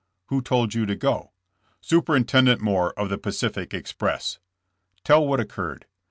''Who told you to goV "Superintendent Moore of the Pacific Express." "Tell what occurred."